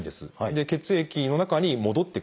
血液の中に戻ってくる。